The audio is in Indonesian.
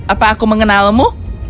apa aku mengenalmu